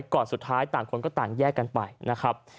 ก่อนสุดท้ายต่างคนก็ต่างแยกกันไปนะครับ